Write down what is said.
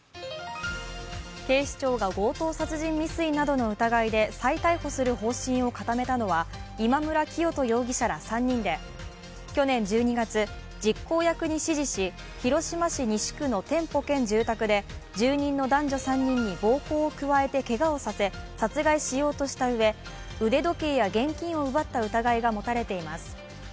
警視庁が強盗殺人未遂などの疑いで再逮捕する方針を固めたのは今村磨人容疑者ら３人で去年１２月、実行役に指示し広島市西区の店舗兼住宅で住人の男女３人に暴行を加え殺害しようとしたうえ、腕時計や現金を奪った疑いが持たれています。